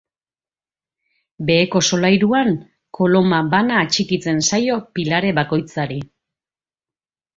Beheko solairuan koloma bana atxikitzen zaio pilare bakoitzari.